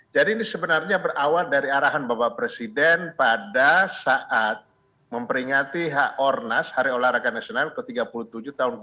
jadi ini sebenarnya berawal dari arahan bapak presiden pada saat memperingati hak ornas hari olahraga nasional ke tiga puluh tujuh tahun dua ribu dua puluh